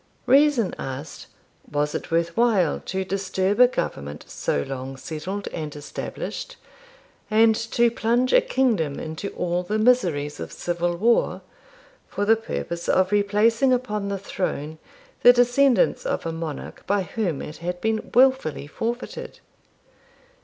Reason asked, was it worth while to disturb a government so long settled and established, and to plunge a kingdom into all the miseries of civil war, for the purpose of replacing upon the throne the descendants of a monarch by whom it had been wilfully forfeited?